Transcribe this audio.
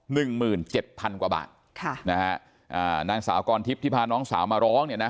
หนึ่งหมื่นเจ็ดพันกว่าบาทค่ะนะฮะอ่านางสาวกรทิพย์ที่พาน้องสาวมาร้องเนี่ยนะ